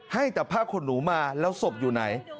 ให้แต่ผ้าขนหนูมาแล้วศพอยู่ไหน